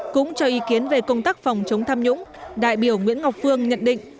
cũng cho ý kiến về công tác phòng chống tham nhũng đại biểu nguyễn ngọc phương nhận định